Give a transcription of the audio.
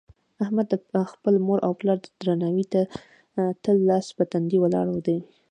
احمد د خپل مور او پلار درناوي ته تل لاس په تندي ولاړ وي.